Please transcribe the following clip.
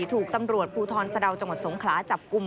ถูกตำรวจภูทรสะดาวจังหวัดสงขลาจับกลุ่ม